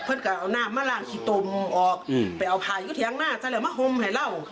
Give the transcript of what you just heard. ออกไปเอาผ่านอีกก็แถงหน้าจะแหล่งมาห่มให้เรา